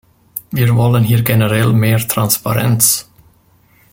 Wir wollen hier generell mehr Transparenz.